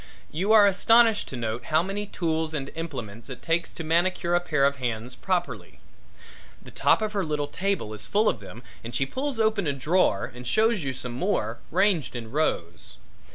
You are astonished to note how many tools and implements it takes to manicure a pair of hands properly. The top of her little table is full of them and she pulls open a drawer and shows you some more, ranged in rows.